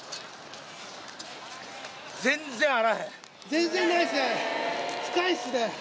全然ないですね。